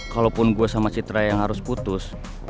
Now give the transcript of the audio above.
kalaupun gue sama citra yang harus putus